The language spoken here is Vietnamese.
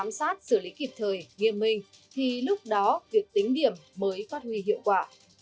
nếu không có khám sát xử lý kịp thời nghiêm minh thì lúc đó việc tính điểm mới phát huy hiệu quả